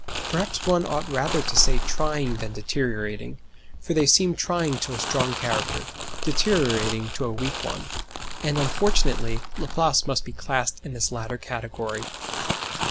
Perhaps one ought rather to say trying than deteriorating; for they seem trying to a strong character, deteriorating to a weak one and unfortunately, Laplace must be classed in this latter category.